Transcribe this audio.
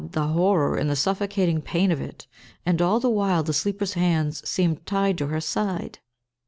the horror and the suffocating pain of it and all the while the sleeper's hands seemed tied to her side.